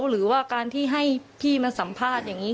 หรือว่าการที่ให้พี่มาสัมภาษณ์อย่างนี้